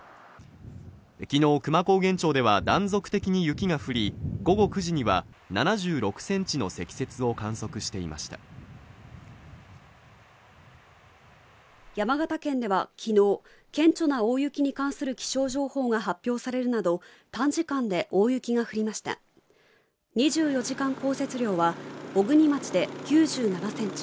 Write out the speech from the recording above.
昨日久万高原町では断続的に雪が降り午後９時には７６ｃｍの積雪を観測していました山形県ではきのう顕著な大雪に関する気象情報が発表されるなど短時間で大雪が降りました２４時間降雪量は小国町で９７ｃｍ